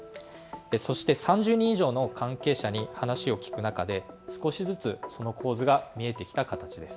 そして３０人以上の関係者に話を聞く中で少しずつその構図が見えてきた形です。